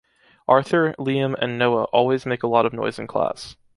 Arthur, Liam and Noah always make a lot of noise in class.